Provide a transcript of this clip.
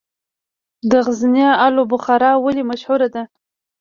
د غزني الو بخارا ولې مشهوره ده؟